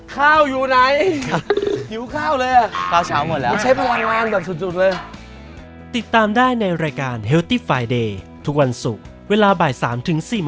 ข้าวอยู่ไหนหิวข้าวเลยอะใช้พลังงานแบบจุดเลยข้าวเฉาหมดแล้ว